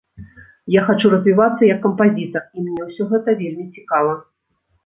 Я хачу развівацца як кампазітар, і мне ўсё гэта вельмі цікава.